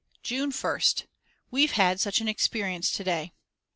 June 1st. We've had such an experience to day!